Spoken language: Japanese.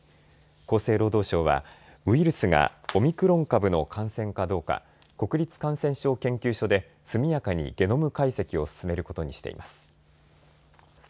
厚生労働省はウイルスがオミクロン株の感染かどうか国立感染症研究所で速やかにゲノム解析を進めることにしています。